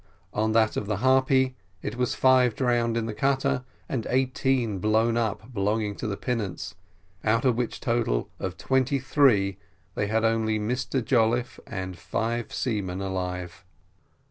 On that of the Harpy, it was five drowned in the cutter, and eighteen blown up belonging to the pinnace, out of which total of twenty three, they had only Mr Jolliffe and five seamen alive.